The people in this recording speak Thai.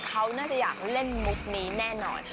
เขาน่าจะอยากเล่นมุกนี้แน่นอน